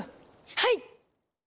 はい！